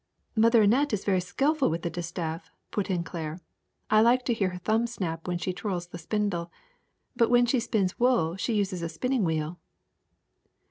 ''Mother Annette is very skilful with the distaff,'^ put in Claire. ''I like to hear her thumb snap when she twirls the spindle. But when she spins wool she uses a spinning wheel."